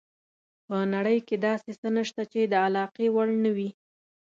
په نړۍ کې داسې څه نشته چې د علاقې وړ نه وي.